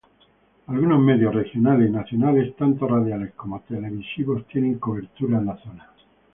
Algunos medios regionales y nacionales, tanto radiales como televisivos, tienen cobertura en la zona.